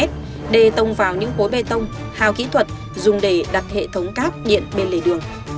bê tông vào những khối bê tông hào kỹ thuật dùng để đặt hệ thống cáp điện bên lề đường